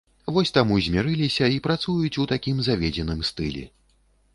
Вось таму змірыліся і працуюць у такім заведзеным стылі.